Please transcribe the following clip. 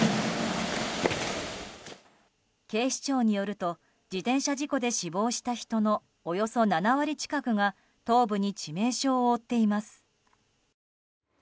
警視庁によると、自転車事故で死亡した人の、およそ７割近くが頭部に致命傷を負っています。